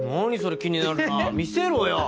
気になるなぁ見せろよ！